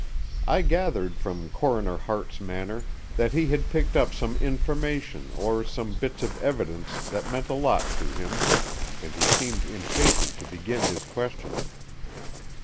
I gathered from Coroner Hart's manner that he had picked up some information or some bits of evidence that meant a lot to him, and he seemed impatient to begin his questioning.